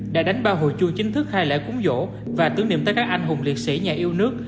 đã đánh ba hồi chua chính thức hai lễ cúng dỗ và tưởng niệm tất các anh hùng liệt sĩ nhà yêu nước